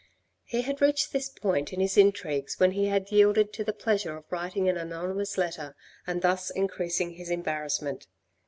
He had reached this point in his intrigues when he had yielded to the pleasure of writing an anonymous letter, and thus increasing his embarrassment.